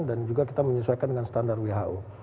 dan juga kita menyesuaikan dengan standar who